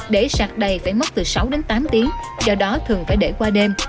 để sạc đầy phải mất từ sáu đến tám tiếng do đó thường phải để qua đêm